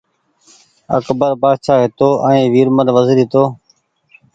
اڪبر بآڇآ هيتو ائين ويرمل وزير هيتو